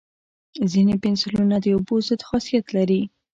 ځینې پنسلونه د اوبو ضد خاصیت لري.